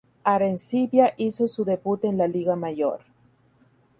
Arencibia hizo su debut en la Liga Mayor.